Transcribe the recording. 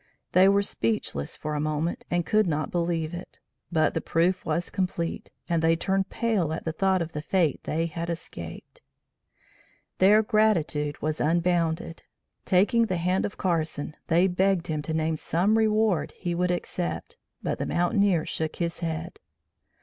They were speechless for a moment and could not believe it; but the proof was complete, and they turned pale at the thought of the fate they had escaped. Their gratitude was unbounded. Taking the hand of Carson they begged him to name some reward he would accept, but the mountaineer shook his head.